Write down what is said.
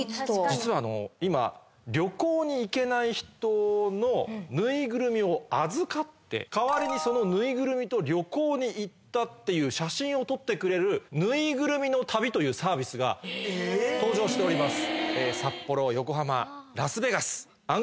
実は今旅行に行けない人のぬいぐるみを預かって代わりにそのぬいぐるみと旅行に行ったっていう写真を撮ってくれるぬいぐるみの旅というサービスが登場しております。